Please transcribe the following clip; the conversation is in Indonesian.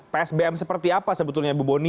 pm seperti apa sebetulnya ibu boni